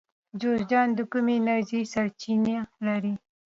جوزجان د کومې انرژۍ سرچینه لري؟